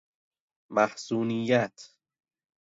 محزونیت